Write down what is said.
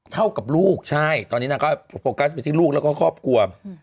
เท่ากับลูกใช่ตอนนี้นางก็โฟกัสไปที่ลูกแล้วก็ครอบครัว